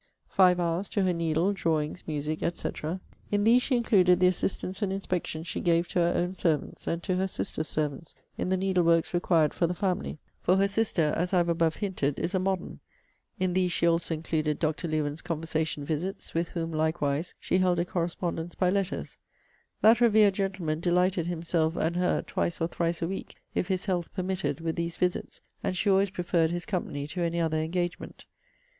FIVE hours to her needle, drawings, music, &c. In these she included the assistance and inspection she gave to her own servants, and to her sister's servants, in the needle works required for the family: for her sister, as I have above hinted, is a MODERN. In these she also included Dr. Lewen's conversation visits; with whom likewise she held a correspondence by letters. That reverend gentleman delighted himself and her twice or thrice a week, if his health permitted, with these visits: and she always preferred his company to any other engagement.